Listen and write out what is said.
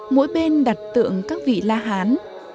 mỗi bên đặt tượng các vị la hán